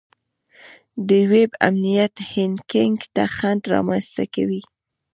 د ویب امنیت هیکینګ ته خنډ رامنځته کوي.